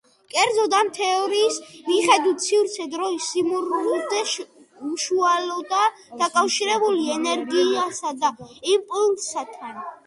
კერძოდ, ამ თეორიის მიხედვით სივრცე-დროის სიმრუდე უშუალოდაა დაკავშირებული ენერგიასა და იმპულსთან.